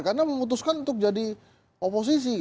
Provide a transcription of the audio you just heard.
karena memutuskan untuk jadi oposisi